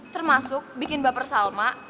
termasuk bikin baper salma